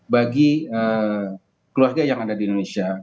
bagi keluarga yang ada di indonesia